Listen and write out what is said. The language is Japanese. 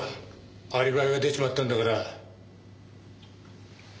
アリバイが出ちまったんだから。